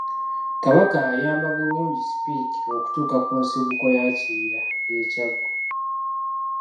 Kabaka yayamba bulungi Speke okutuuka ku nsibuko ya Kiyira e Kyaggwe.